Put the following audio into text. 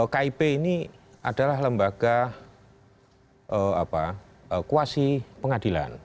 kip ini adalah lembaga kuasi pengadilan